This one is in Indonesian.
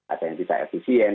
ada yang bisa efisien